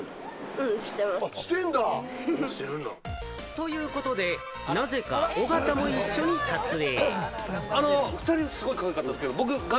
ということで、なぜか尾形も一緒に撮影。